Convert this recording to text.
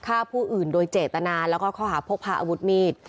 ฆ่าผู้อื่นโดยเจตนาแล้วก็ข้อหาพกพาอาวุธมีด